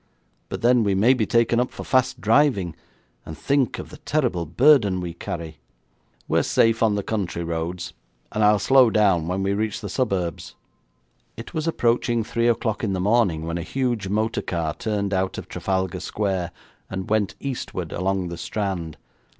'But then we may be taken up for fast driving, and think of the terrible burden we carry.' 'We're safe on the country roads, and I'll slow down when we reach the suburbs.' It was approaching three o'clock in the morning when a huge motor car turned out of Trafalgar Square, and went eastward along the Strand.